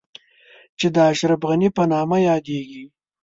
چې د اشرف غني په نامه يادېږي.